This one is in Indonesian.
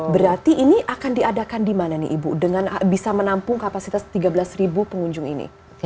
berarti ini akan diadakan di mana nih ibu dengan bisa menampung kapasitas tiga belas pengunjung ini